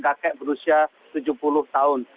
kakek berusia tujuh puluh tahun